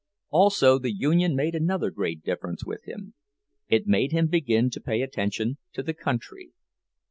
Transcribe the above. Also the union made another great difference with him—it made him begin to pay attention to the country.